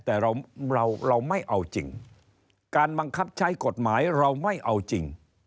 แต่เราเราไม่เอาจริงการบังคับใช้กฎหมายเราไม่เอาจริง